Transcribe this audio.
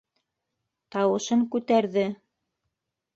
Тауышын күтәрҙе: